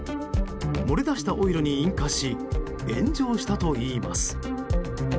漏れ出したオイルに引火し炎上したといいます。